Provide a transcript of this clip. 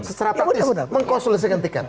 secara praktis mengkonsolidasikan tiket